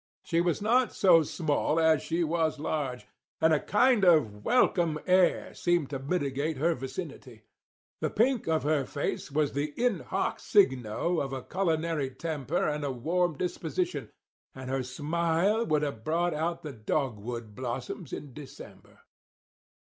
She was not so small as she was large; and a kind of welcome air seemed to mitigate her vicinity. The pink of her face was the in hoc signo of a culinary temper and a warm disposition, and her smile would have brought out the dogwood blossoms in December.